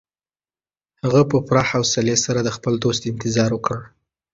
هغه په پوره حوصلي سره د خپل دوست انتظار وکړ.